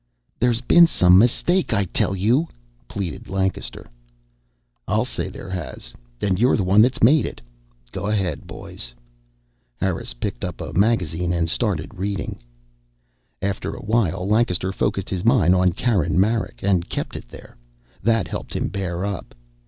"There's been some mistake, I tell you," pleaded Lancaster. "I'll say there has. And you're the one that's made it. Go ahead, boys." Harris picked up a magazine and started reading. After awhile, Lancaster focused his mind on Karen Marek and kept it there. That helped him bear up.